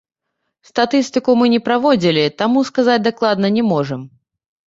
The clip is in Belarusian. Статыстыку мы не праводзілі, таму сказаць дакладна не можам.